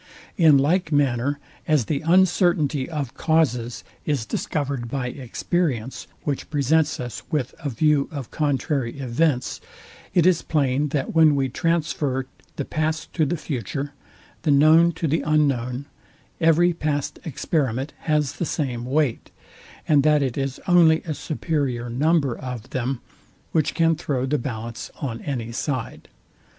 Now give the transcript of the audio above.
In like manner, as the uncertainty of causes is discovery by experience, which presents us with a view of contrary events, it is plain, that when we transfer the past to the future, the known to the unknown, every past experiment has the same weight, and that it is only a superior number of them, which can throw the ballance on any side.